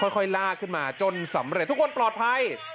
ลากขึ้นมาจนสำเร็จทุกคนปลอดภัย